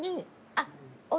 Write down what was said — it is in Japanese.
あっ。